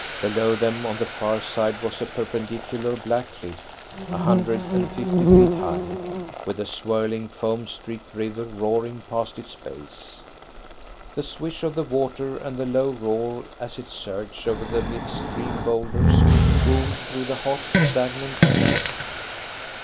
Below them on the far side was a perpendicular black cliff, a hundred and fifty feet high, with the swirling, foam streaked river roaring past its base. The swish of the water and the low roar as it surged over the mid stream boulders boomed through the hot, stagnant air.